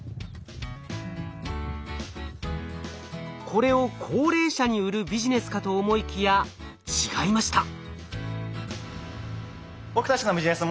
これを高齢者に売るビジネスかと思いきや違いました。